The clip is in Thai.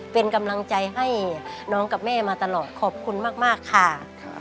เป็นกำลังใจให้น้องกับแม่มาตลอดขอบคุณมากค่ะ